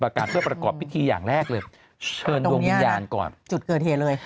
การเพื่อประกอบพิธีอย่างแรกเลยเชิญดวงวิญญาณก่อนจุดเกิดเหตุเลย